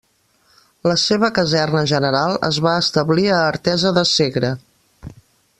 La seva caserna general es va establir a Artesa de Segre.